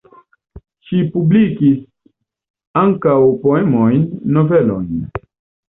Ŝi publikis ankaŭ poemojn, novelojn.